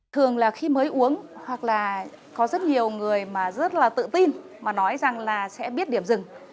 thường là khi mới uống hoặc là có rất nhiều người mà rất là tự tin mà nói rằng là sẽ biết điểm rừng